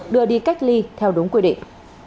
đưa đi cách ly theo đúng quy định